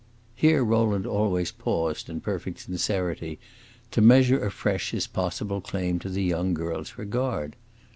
Here Rowland always paused, in perfect sincerity, to measure afresh his possible claim to the young girl's regard.